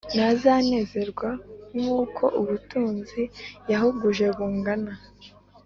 Ntazanezerwa nk uko ubutunzi yahuguje bungana